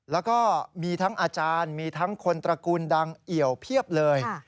แล้วก็มีทั้งอาจารย์มีทั้งคนตระกูลดังเอี่ยวเพียบเลย